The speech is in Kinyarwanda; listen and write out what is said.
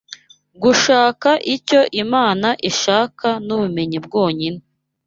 Gushaka icyo Imana ishaka nubumenyi bwonyine